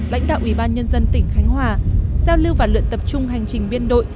lãnh đạo ủy ban nhân dân tỉnh khánh hòa giao lưu và luyện tập trung hành trình biên đội